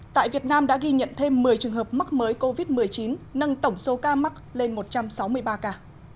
tại việt nam đã ghi nhận thêm một mươi trường hợp mắc mới covid một mươi chín nâng tổng số ca mắc lên một trăm sáu mươi ba ca